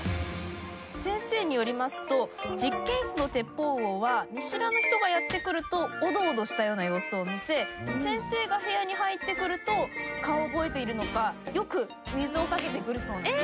先生によりますと実験室のテッポウウオは見知らぬ人がやって来るとおどおどしたような様子を見せ先生が部屋に入ってくると顔を覚えているのかよく水をかけてくるそうなんです。